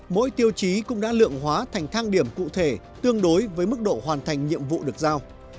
mỗi tiêu chí cũng đã lượng hóa thành thang điểm cụ thể tương đối với mức độ hoàn thành nhiệm vụ được giao